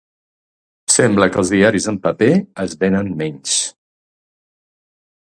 Sembla que els diaris en paper es venen menys.